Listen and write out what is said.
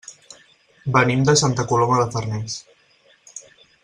Venim de Santa Coloma de Farners.